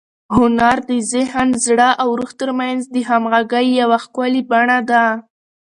هنر د ذهن، زړه او روح تر منځ د همغږۍ یوه ښکلي بڼه ده.